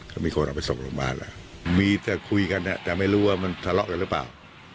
ก็มีคนเอาไปส่งโรงพยาบาลแหละมีแต่คุยกันแต่ไม่รู้ว่ามันทะเลาะกันหรือเปล่า